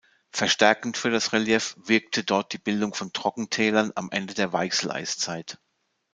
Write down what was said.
Verstärkend für das Relief wirkte dort die Bildung von Trockentälern am Ende der Weichseleiszeit.